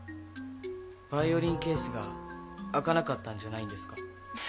バイオリンケースが開かなかったんじゃないんですか？